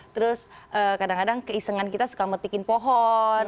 terus kadang kadang keisengan kita suka metikin pohon